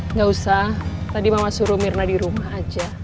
nggak usah tadi mama suruh mirna di rumah aja